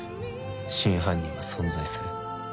真犯人は存在する。